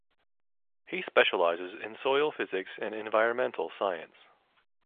He specialises in soil physics and environmental science.